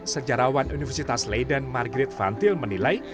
sejarawan universitas leiden margret van til menilai